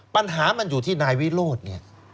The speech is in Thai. ปัญหามันอยู่ที่นายวิโรธเนี่ย